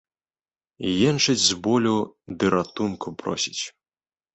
Енчыць з болю ды ратунку просіць.